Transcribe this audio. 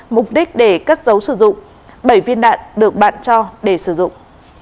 mục đích để cất dấu sử dụng bảy viên đạn được bạn cho để sử dụng